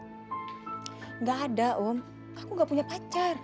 nggak ada om aku nggak punya pacar